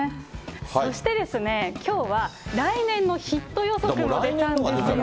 そしてですね、きょうは来年のヒット予測も出たんですよ。